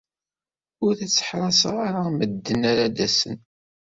Ur tteḥṛaseɣ ara medden ad d-asen.